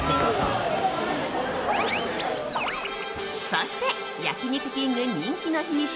そして、焼肉きんぐ人気の秘密